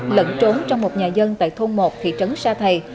lận trốn trong một nhà dân tại thôn một thị trấn xã thầy